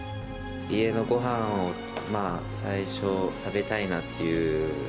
家のごはんをまあ、最初に食べたいなっていう。